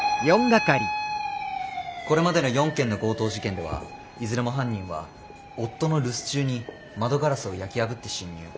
これまでの４件の強盗事件ではいずれも犯人は夫の留守中に窓ガラスを焼き破って侵入。